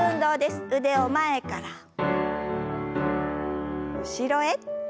腕を前から後ろへ。